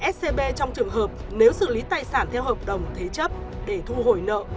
scb trong trường hợp nếu xử lý tài sản theo hợp đồng thế chấp để thu hồi nợ